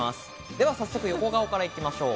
では早速、横顔から行きましょう。